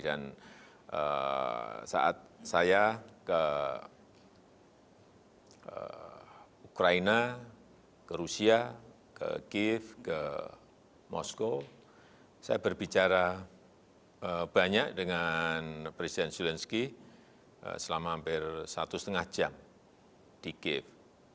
dan saat saya ke ukraina ke rusia ke kiev ke moskow saya berbicara banyak dengan presiden zelensky selama hampir satu setengah jam di kiev